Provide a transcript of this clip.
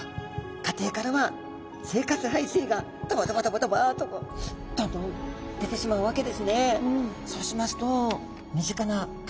家庭からは生活排水がドバドバドバドバとどんどん出てしまうわけですね。